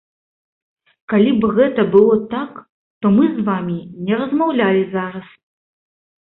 Калі б гэта было так, то мы з вамі не размаўлялі зараз.